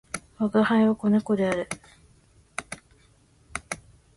吾輩は、子猫である。